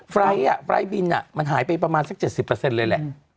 ไฟไฟบินน่ะมันหายไปประมาณสัก๗๐เลยล่ะ